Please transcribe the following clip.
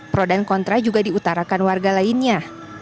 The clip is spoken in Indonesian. pro dan kontra juga diutarakan warga lainnya